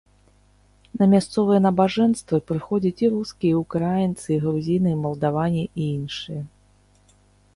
На мясцовыя набажэнствы прыходзяць і рускія, і ўкраінцы, і грузіны, і малдаване, і іншыя.